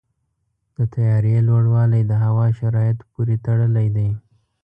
د طیارې لوړوالی د هوا شرایطو پورې تړلی دی.